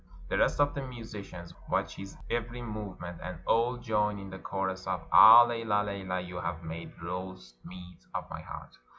The rest of the musicians watch his every movement, and all join in the chorus of "Ah! Leila, Leila, you have made roast meat of my heart!"